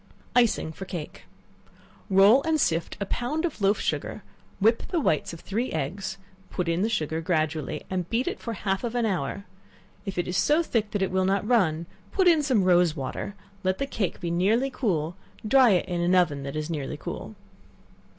Icing for Cake. Roll and sift a pound of loaf sugar; whip the whites of three eggs; put in the sugar gradually, and beat it for half an hour; if it is so thick that it will not run, put in some rose water; let the cake be nearly cool; dry it in an oven that is nearly cool.